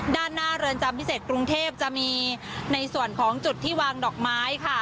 ด้านหน้าเรือนจำพิเศษกรุงเทพจะมีในส่วนของจุดที่วางดอกไม้ค่ะ